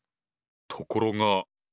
ところが。